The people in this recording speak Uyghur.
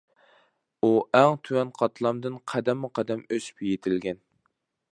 ئۇ ئەڭ تۆۋەن قاتلامدىن قەدەممۇ قەدەم ئۆسۈپ يېتىلگەن.